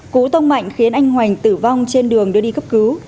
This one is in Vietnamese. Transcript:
cú tông mạnh khiến anh hoành tử vong trên đường đưa đi cấp cứu